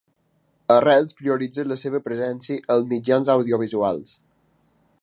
Arrels prioritza la seva presència als mitjans audiovisuals